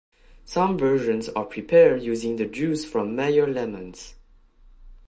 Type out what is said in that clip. Some versions are prepared using the juice from Meyer lemons.